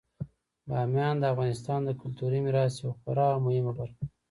بامیان د افغانستان د کلتوري میراث یوه خورا مهمه برخه ده.